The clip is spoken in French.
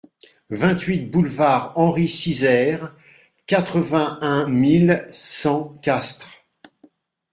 vingt-huit boulevard Henri Sizaire, quatre-vingt-un mille cent Castres